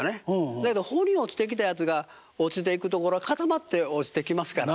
だけど帆に落ちてきたやつが落ちていくところは固まって落ちてきますからね。